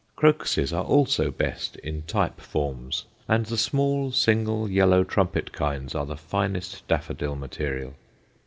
Crocuses are also best in type forms, and the small, single, yellow trumpet kinds are the finest daffodil material.